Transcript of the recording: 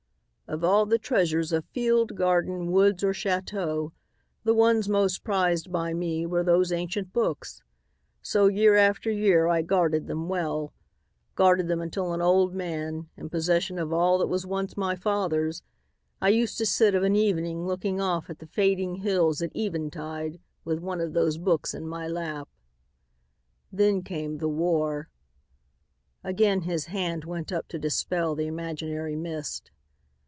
"Of all the treasures of field, garden, woods or chateau, the ones most prized by me were those ancient books. So, year after year I guarded them well, guarded them until an old man, in possession of all that was once my father's, I used to sit of an evening looking off at the fading hills at eventide with one of those books in my lap. "Then came the war." Again his hand went up to dispel the imaginary mist.